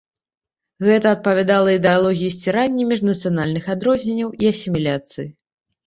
Гэта адпавядала ідэалогіі сцірання міжнацыянальных адрозненняў і асіміляцыі.